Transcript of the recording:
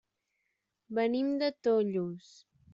Venim de Tollos.